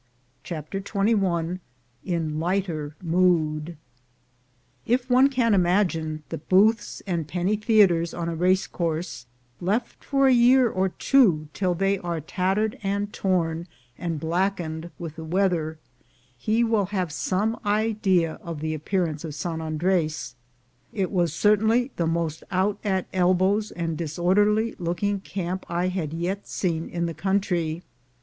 CHAPTER XXI IN LIGHTER MOOD IF one can imagine the booths and penny theaters on a race course left for a year or two till they are tattered and torn, and blackened with the weather, he will have some idea of the appearance of San Andres. It was certainly the most out at elbows and disorderly looking camp I had yet seen in the country.